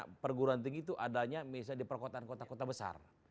karena perguruan tinggi itu adanya misalnya di perkotaan kota kota besar